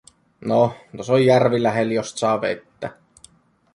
"Noh, tos on järvi lähel, jost saa vettä.